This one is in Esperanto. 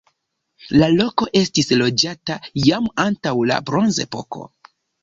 La loko estis loĝata jam antaŭ la bronzepoko.